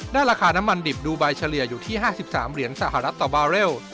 ราคาน้ำมันดิบดูไบเฉลี่ยอยู่ที่๕๓เหรียญสหรัฐต่อบาร์เรล